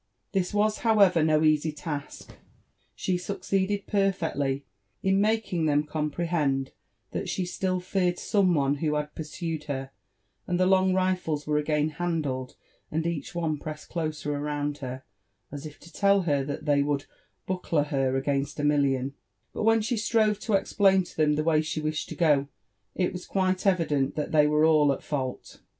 This was, however^ no easy task. She succeeded perfectly in OMkr iog them comprehend that she still feared some one who had pursued her, and the long rifles were again handled, and each one pressed closer round her, as if to tell her that they would buckler her against a million ;* bull whan she strove to explain to them the way she wished to go, it was quite evident that they were all at fault.